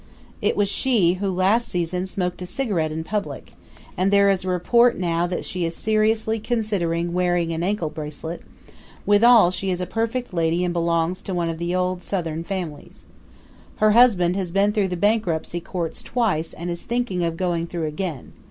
It was she who last season smoked a cigarette in public, and there is a report now that she is seriously considering wearing an ankle bracelet; withal she is a perfect lady and belongs to one of the old Southern families. Her husband has been through the bankruptcy courts twice and is thinking of going through again.